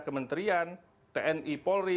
kementerian tni polri